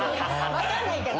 分かんないけど。